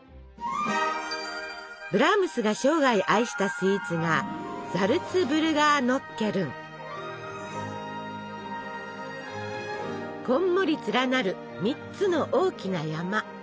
ブラームスが生涯愛したスイーツがこんもり連なる３つの大きな山。